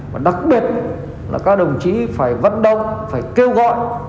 và đặc biệt là các đồng chí phải vận động phải kêu gọi